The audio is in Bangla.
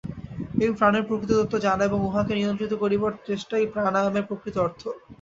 এই প্রাণের প্রকৃত তত্ত্ব জানা এবং উহাকে নিয়ন্ত্রিত করিবার চেষ্টাই প্রাণায়ামের প্রকৃত অর্থ।